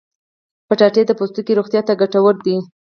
کچالو د پوستکي روغتیا ته ګټور دی.